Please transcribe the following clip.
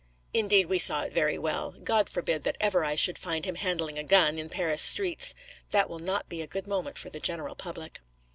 Indeed, we saw it very well. God forbid that ever I should find him handling a gun in Paris streets! That will not be a good moment for the general public.